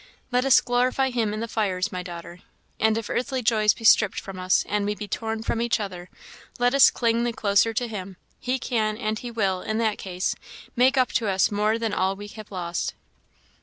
Let us glorify him in the fires, my daughter; and if earthly joys be stripped from us, and if we be torn from each other, let us cling the closer to him he can, and he will, in that case, make up to us more than all we have lost."